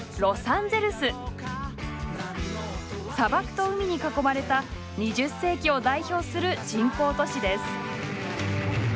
砂漠と海に囲まれた２０世紀を代表する人工都市です。